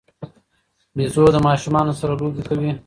بيزو د ماشومانو سره لوبې کوي.